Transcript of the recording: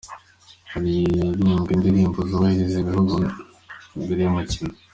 Haririmbwa indirimbo zubahiriza ibihugu mbere y'umukino.